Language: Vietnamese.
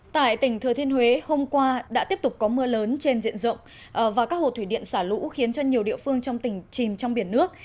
tại tỉnh thừa thiên huế hôm qua đã tiếp tục có mưa lớn trên diện rộng và các hồ thủy điện xả lũ khiến cho nhiều địa phương trong tỉnh chìm trong biển nước